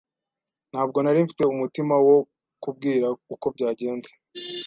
Ntabwo nari mfite umutima wo kubwira uko byagenze.